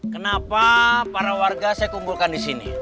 kenapa para warga saya kumpulkan disini